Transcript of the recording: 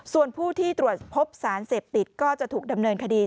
ส่วนผู้ที่ตรวจพบสารเสพติดก็จะถูกดำเนินคดี